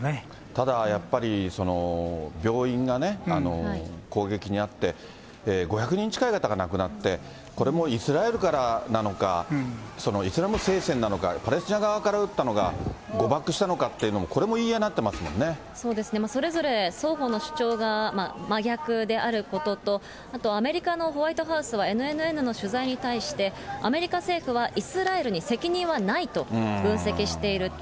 ただやっぱり、その病院が攻撃に遭って、５００人近い方が亡くなって、これもイスラエルからなのか、イスラム聖戦なのか、パレスチナ側から撃ったのが誤爆したのかっていうのも、これも言そうですね、それぞれ双方の主張が真逆であることと、あと、アメリカのホワイトハウスはＮＮＮの取材に対して、アメリカ政府はイスラエルに責任はないと分析していると。